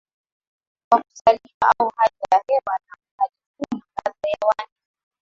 Kwa kuzaliwa au hali ya hewa au uhalifuna ladha ya waandishi